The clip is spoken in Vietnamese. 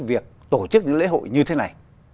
việc tổ chức những lễ hội như thế này